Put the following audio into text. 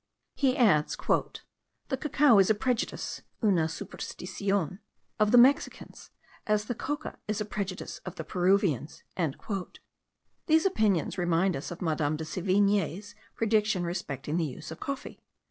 He adds, "the cacao is a prejudice (una supersticion) of the Mexicans, as the coca is a prejudice of the Peruvians." These opinions remind us of Madame de Sevigne's prediction respecting the use of coffee.